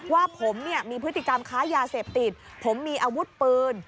ว่าผมเนี่ยมีพฤติกรรมค้ายาเสพติดผมมีอาวุธปืน